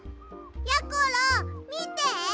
やころみて！